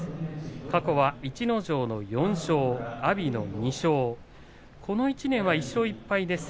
過去は逸ノ城の４勝阿炎の２勝です。